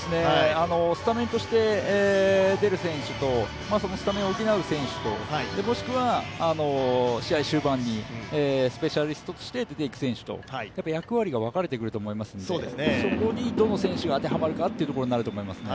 スタメンとして出る選手とスタメンを補選手と、もしくはスペシャリストとして出ていく選手と、役割が分かれてくると思うのでそこにどの選手が当てはまるかというところになると思いますね。